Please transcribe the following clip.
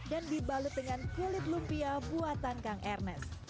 dan dibalut dengan kulit lumpia buatan kang ernest